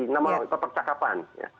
narasi nama nama itu percakapan